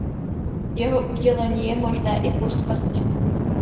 Jeho udělení je možné i posmrtně.